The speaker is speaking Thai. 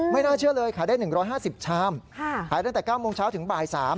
น่าเชื่อเลยขายได้๑๕๐ชามขายตั้งแต่๙โมงเช้าถึงบ่าย๓